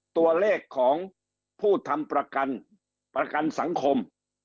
ตัวเลขของผู้ทำประกันประกันสังคม